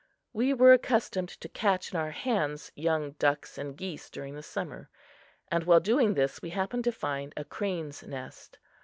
We were accustomed to catch in our hands young ducks and geese during the summer, and while doing this we happened to find a crane's nest.